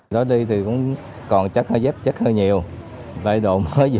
dân tường dân dính tường dơ hay cũng nhặt hay nguy hiểm